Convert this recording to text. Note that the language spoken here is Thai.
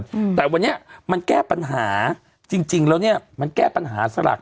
อืมแต่วันนี้มันแก้ปัญหาจริงจริงแล้วเนี้ยมันแก้ปัญหาสลาก